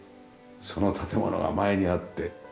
その建物が前にあって。